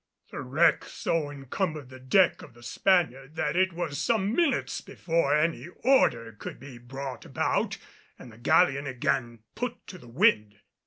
The wreck so encumbered the deck of the Spaniard that it was some minutes before any order could be brought about and the galleon again put to the wind.